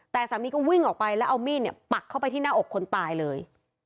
แต่สามีก็วิ่งออกไปแล้วเอามีดเนี่ยปักเข้าไปที่หน้าอกคนตายเลย